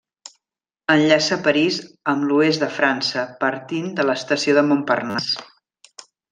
Enllaça París amb l'oest de França, partint de l'estació de Montparnasse.